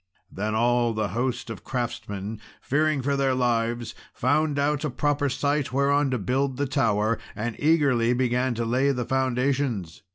Then all the host of craftsmen, fearing for their lives, found out a proper site whereon to build the tower, and eagerly began to lay in the foundations.